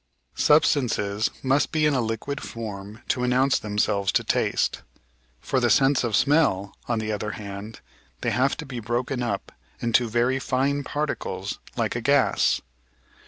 Substances must be in a liquid form to announce themselves to taste. For the sense of smell, on the other hand, they have to be broken up into very fine particles like a gas.